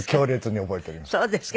あっそうですか。